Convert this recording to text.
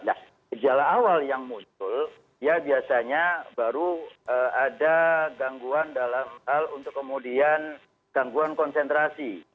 nah gejala awal yang muncul dia biasanya baru ada gangguan dalam hal untuk kemudian gangguan konsentrasi